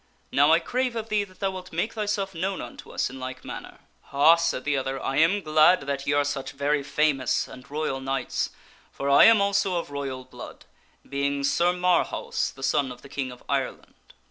Now, I crave of thee that wilt make thyself known unto us in like manner." " Ha," said the other ;" I am glad that ye are such very famous and royal knights, for I am also of royal blood, being Sir Marhaus, the son of the King of Ireland."